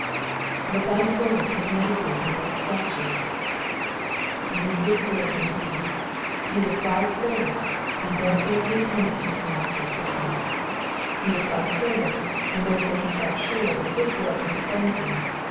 jBtt< thy servant did meditate in thy statutes.'*'* This was brave indeed. He was God's servant, and therefore he attended to his Master's business ; he was God's servant, and therefore felt sure that his Lord would defend him.